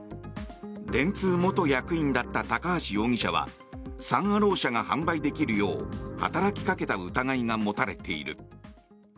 電通元役員だった高橋容疑者はサン・アロー社が販売できるよう働きかけた疑いが持たれている。